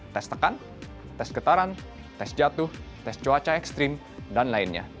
tes tekan tes getaran tes jatuh tes cuaca ekstrim dan lainnya